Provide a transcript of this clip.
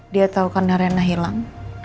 dia tau karena rina hilang